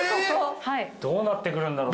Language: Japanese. どうなってくるんだろう？